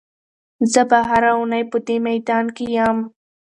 زه به هره اونۍ په دې میدان کې یم.